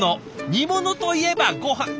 煮物といえばごはん。